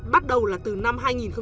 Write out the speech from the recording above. bắt đầu là từ năm hai nghìn một mươi